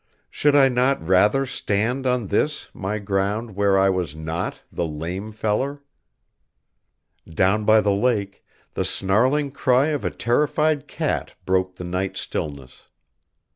Should I not rather stand on this my ground where I was not the "lame feller"? Down by the lake, the snarling cry of a terrified cat broke the night stillness.